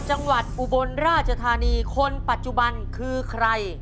จังหวัดอุบลราชธานีคนปัจจุบันคือใคร